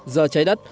giờ cháy đất